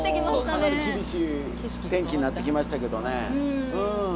もうかなり厳しい天気になってきましたけどねうん。